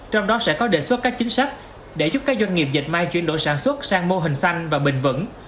trong đó sẽ có đề xuất các chính sách để giúp các doanh nghiệp dịch may chuyển đổi sản xuất sang mô hình xanh và bình vẩn